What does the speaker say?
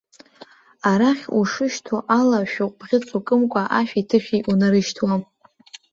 Арахь, ушышьҭу ала шәыҟә бӷьыцк укымкәа ашәи-ҭышәи унарышьҭуам.